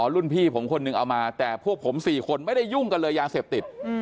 รุ่นพี่ผมคนหนึ่งเอามาแต่พวกผม๔คนไม่ได้ยุ่งกันเลยยาเสพติด